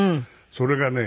それがね